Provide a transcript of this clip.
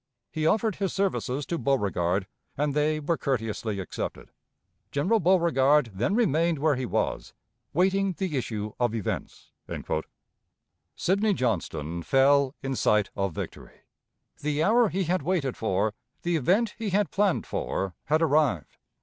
He offered his services to Beauregard, and they were courteously accepted. General Beauregard then remained where he was, waiting the issue of events." Sidney Johnston fell in sight of victory; the hour he had waited for, the event he had planned for, had arrived.